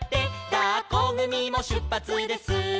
「だっこぐみもしゅっぱつです」